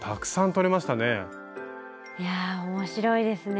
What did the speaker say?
いやあ面白いですね。